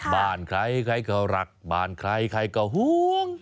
บ้านใครก็รักบ้านใครก็หุ้ง